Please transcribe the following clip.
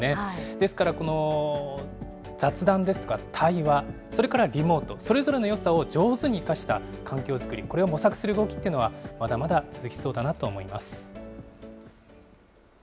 ですから、この雑談ですとか対話、それからリモート、それぞれのよさを上手に生かした環境作り、これを模索する動きというのはまだまだ続きそうだなと思います。